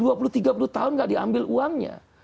sampai dua puluh tiga puluh tahun nggak diambil uangnya